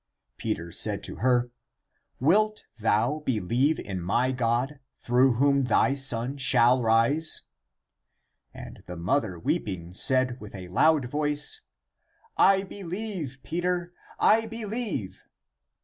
Peter said to her, " Wilt thou believe in my God, through whom thy son shall rise?" And the mother, weeping, said with a loud voice, "I believe; Peter, I believe."